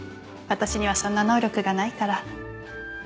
私にはそんな能力がないから。